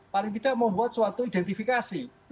paling tidak membuat suatu identifikasi